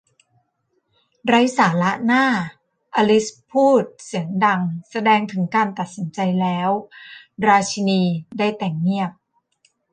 ไร้สาระน่า อลิซพูดเสียงดังแสดงถึงการตัดสินใจแล้ว ราชินีได้แต่เงียบ